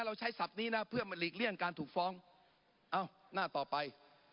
เราใช้ศัพท์นี้นะเพื่อมาหลีกเลี่ยงการถูกฟ้องเอ้าหน้าต่อไป